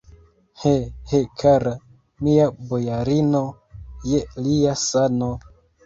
He, he, kara mia bojarino, je lia sano!